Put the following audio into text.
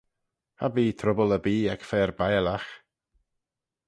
Cha bee trubbyl erbee ec fer biallagh.